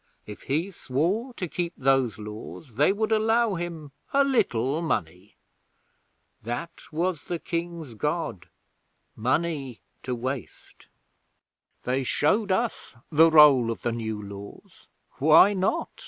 If he swore to keep those Laws, they would allow him a little money. That was the King's God Money to waste. They showed us the roll of the New Laws. Why not?